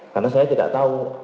karena saya tidak tahu